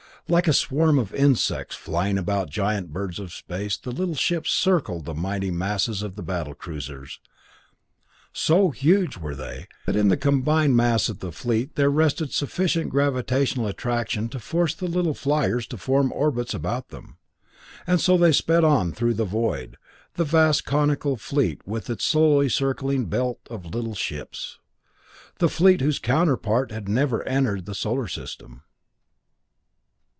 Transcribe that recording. Like a swarm of insects flying about giant birds of space the little ships circled the mighty masses of the battle cruisers. So huge were they, that in the combined mass of the fleet there rested sufficient gravitational attraction to force the little fliers to form orbits about them. And so they sped on through the void, the vast conical fleet with its slowly circling belt of little ships. A fleet whose counterpart had never entered the Solar System.